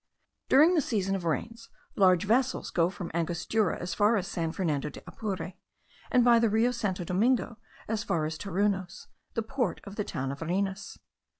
During the season of rains large vessels go from Angostura as far as San Fernando de Apure, and by the Rio Santo Domingo as far as Torunos, the port of the town of Varinas.